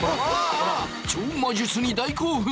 超魔術に大興奮！